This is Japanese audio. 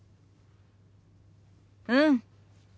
うん。